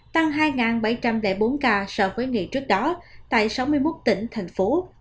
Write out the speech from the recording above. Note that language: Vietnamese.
tăng hai bảy trăm linh bốn ca so với ngày trước đó tại sáu mươi một tỉnh thành phố